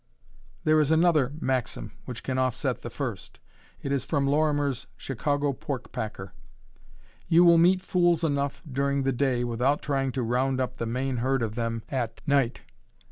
There is another maxim which can offset the first. It is from Lorimer's Chicago pork packer: "You will meet fools enough during the day without trying to roundup the main herd of them at night."